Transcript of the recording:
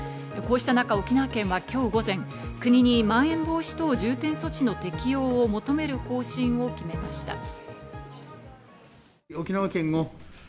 こうした中、沖縄県は今日午前、国にまん延防止等重点措置の適用を求める方針を決めました。